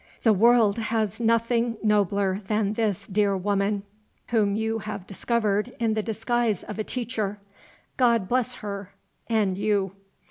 The world has nothing nobler than this dear woman, whom you have discovered in the disguise of a teacher. God bless her and you!"